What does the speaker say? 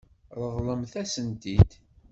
Ṛeḍlemt-asen-t-id.